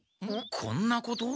こんなこと？